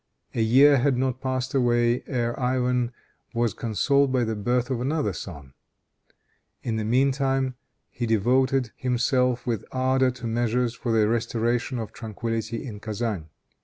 A year had not passed away, ere Ivan was consoled by the birth of another son. In the meantime he devoted himself with ardor to measures for the restoration of tranquillity in Kezan.